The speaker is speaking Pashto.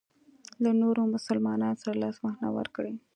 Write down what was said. له نورو مسلمانانو سره لاسونه ورکړي.